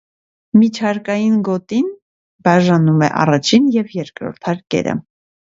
Միջհարկային գոտին բաժանում է առաջին և երկրորդ հարկերը։